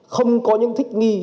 không có những thích nghi